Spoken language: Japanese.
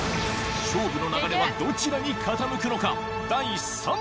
勝負の流れはどちらに傾くのか？